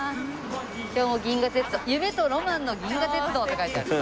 今日も銀河鉄道「夢とロマンの銀河鉄道」って書いてある。